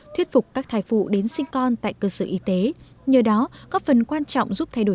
thuyết phục các thai phụ đến sinh con tại cơ sở y tế nhờ đó có phần quan trọng giúp thay đổi